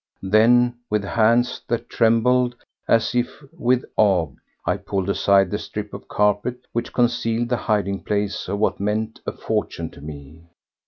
Then, with hands that trembled as if with ague, I pulled aside the strip of carpet which concealed the hiding place of what meant a fortune to me.